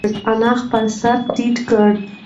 انا خپل سر ټیټ کړ.